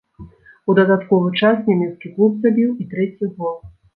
У дадатковы час нямецкі клуб забіў і трэці гол.